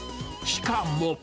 しかも。